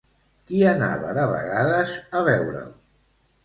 Qui anava de vegades a veure'l?